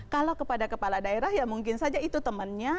kalau kepada kepala daerah ya mungkin saja itu temannya